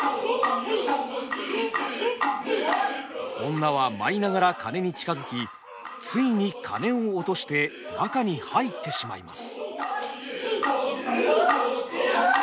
女は舞いながら鐘に近づきついに鐘を落として中に入ってしまいます。